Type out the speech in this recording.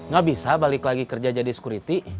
gak bisa balik lagi kerja jadi security